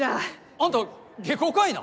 あんた下戸かいな？